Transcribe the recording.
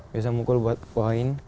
biasa mukul buat poin